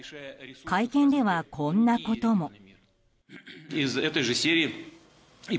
会見では、こんなことも。